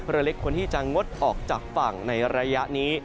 เรือเล็กควรที่จะงดออกจากฝั่งในระยะนี้